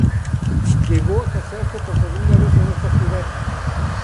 Llegó a casarse por segunda vez en esta ciudad.